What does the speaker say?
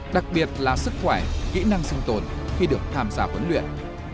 đặc biệt là sức khỏe kỹ năng sinh tồn khi được tham gia huấn luyện